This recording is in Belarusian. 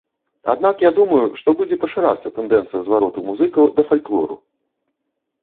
Аднак я думаю, што будзе пашырацца тэндэнцыя звароту музыкаў да фальклору.